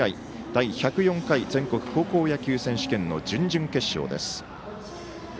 第１０４回全国高校野球選手権の準々決勝です。